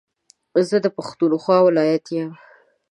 زه دا پښتونخوا ولايت يم